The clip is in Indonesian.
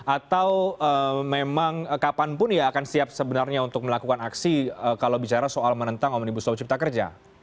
atau memang kapanpun ya akan siap sebenarnya untuk melakukan aksi kalau bicara soal menentang omnibus law cipta kerja